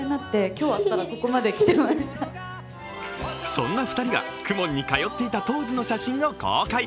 そんな２人がＫＵＭＯＮに通っていた当時の写真を公開。